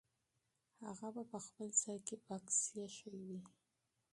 هغه به په خپل ځای کې بکس ایښی وي.